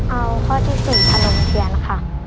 เอาข้อที่สี่พนมเทียนล่ะค่ะ